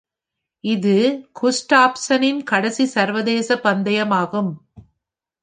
இது குஸ்டாஃப்சனின் கடைசி சர்வதேச பந்தயமாகும்.